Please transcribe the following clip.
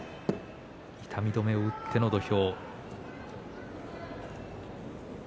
痛み止めを打っての土俵。